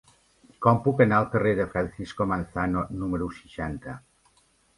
Com puc anar al carrer de Francisco Manzano número seixanta?